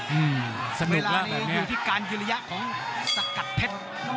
อืมสนุกแล้วแบบนี้เวลานี้ดูที่การยืลยะของสกัดเพชร